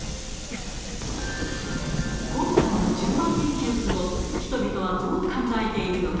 今回の１０万円給付を、人々はどう考えているのか。